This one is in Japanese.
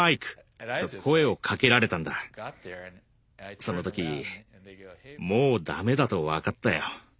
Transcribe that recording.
その時もう駄目だと分かったよ。